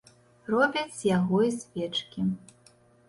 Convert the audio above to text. Робяць з яго і свечкі.